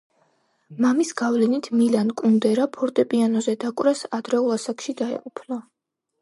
მამის გავლენით მილან კუნდერა ფორტეპიანოზე დაკვრას ადრეულ ასაკში დაეუფლა.